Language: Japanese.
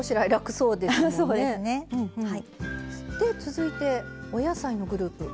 で続いてお野菜のグループ。